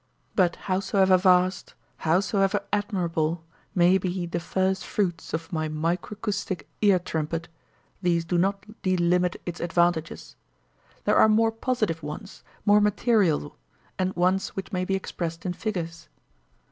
But howsoever vast, howsoever admirable may be the first fruits of my micracoustic ear trumpet, these do not delimit its advantages. There are more positive ones, more material, and ones which may be expressed in figures.